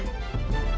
maaf bentar ya maya